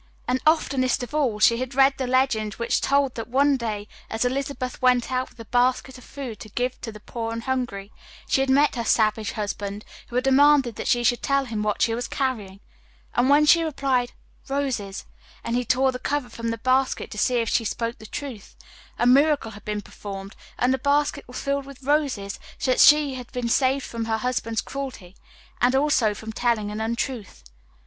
And oftenest of all she had read the legend which told that one day as Elizabeth went out with a basket of food to give to the poor and hungry, she had met her savage husband, who had demanded that she should tell him what she was carrying, and when she replied "Roses," and he tore the cover from the basket to see if she spoke the truth, a miracle had been performed, and the basket was filled with roses, so that she had been saved from her husband's cruelty, and also from telling an untruth.